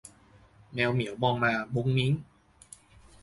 แมวเหมียวมองมามุ้งมิ้ง